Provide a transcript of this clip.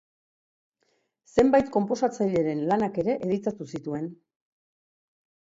Zenbait konposatzaileren lanak ere editatu zituen.